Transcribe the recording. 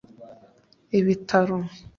Ibitaro